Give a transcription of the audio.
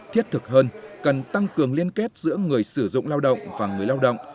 thiết thực hơn cần tăng cường liên kết giữa người sử dụng lao động và người lao động